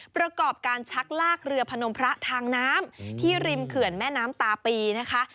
ประกอบการชักลากเรือพนมพระทางน้ำที่ริมเขื่อนแม่น้ำตาปีนะคะ